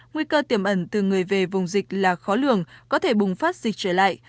nguy cơ tiềm ẩn từ người về vùng dịch là khó lường có thể bùng phát dịch trở lại